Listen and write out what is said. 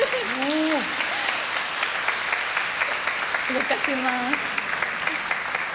動かします。